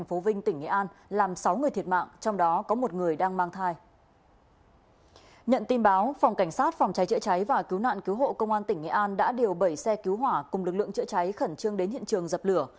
phòng cháy chữa cháy và cứu nạn cứu hộ công an tỉnh nghệ an đã điều bảy xe cứu hỏa cùng lực lượng chữa cháy khẩn trương đến hiện trường dập lửa